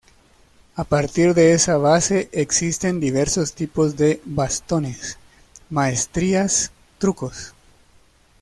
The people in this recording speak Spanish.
A partir de esa base existen diversos tipos de bastones, maestrías trucos.